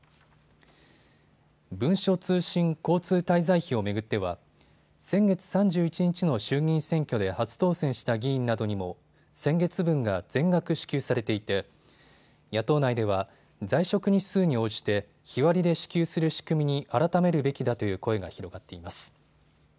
文書通信交通滞在費を巡っては先月３１日の衆議院選挙で初当選した議員などにも先月分が全額支給されていて野党内では在職日数に応じて日割りで支給する仕組みに改めるべきだという声が広がっています。